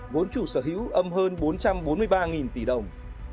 vốn chủ sở hữu âm hơn bốn trăm bốn mươi ba tỷ đồng